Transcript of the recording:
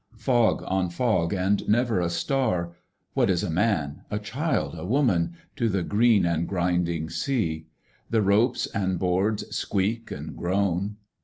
Fog on fog and never a star, what is a man, a child, a woman, to the green and grinding sea ? The ropes and boards squeak and groan.